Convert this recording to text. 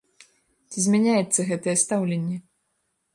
Ці змяняецца гэтае стаўленне?